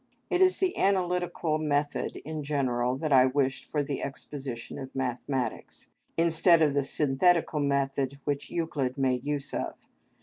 It is the analytical method in general that I wish for the exposition of mathematics, instead of the synthetical method which Euclid made use of.